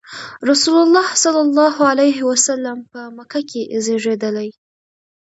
رسول الله ﷺ په مکه کې زېږېدلی.